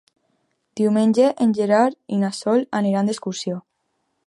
Diumenge en Gerard i na Sol aniran d'excursió.